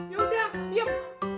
ya udah diem